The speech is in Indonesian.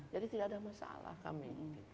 jadi tidak ada masalah kami